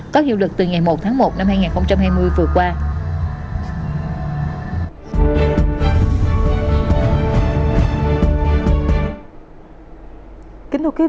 có hiệu lực từ ngày một tháng một năm hai nghìn hai mươi vừa qua